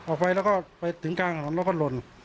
ออกไปแล้วก็ไปถึงกลางถนนแล้วก็หล่น